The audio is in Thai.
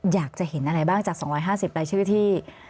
อยากจะเห็นอะไรบ้างจาก๒๕๐รายชื่อที่